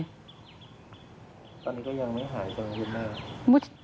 ตอนนี้ก็ยังไม่หายยังอยู่หน้า